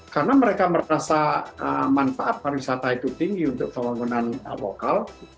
karena mereka merasa manfaat pariwisata itu tinggi untuk pembangunan lokal